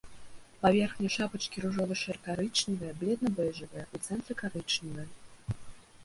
Паверхня шапачкі ружова-шэра-карычневая, бледна-бэжавая, у цэнтры карычневая.